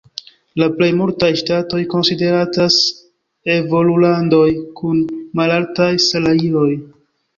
La plej multaj ŝtatoj konsideratas evolulandoj kun malaltaj salajroj.